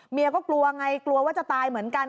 เมียก็กลัวไงกลัวว่าจะตายเหมือนกัน